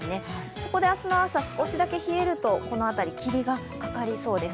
そこで明日の朝、少しだけ冷えるとこの辺り、霧がかかりそうです。